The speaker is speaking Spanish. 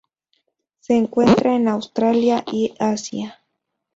Se encuentra en Australia y Asia.